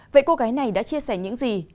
vậy cô gái này đã chia sẻ những gì